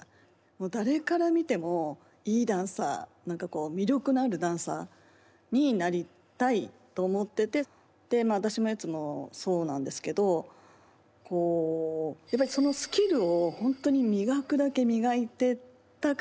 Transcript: もう誰から見てもいいダンサー何かこう魅力のあるダンサーになりたいと思っててで私もＥＴＳＵもそうなんですけどやっぱりそのスキルをほんとに磨くだけ磨いてたから今がある。